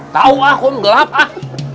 tau ah kum gelap ah